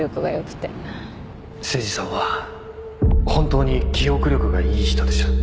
誠司さんは本当に記憶力がいい人でした